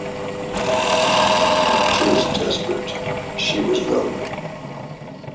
She was desperate, she was lonely.